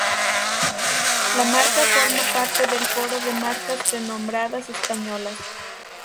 La marca forma parte del Foro de Marcas Renombradas Españolas.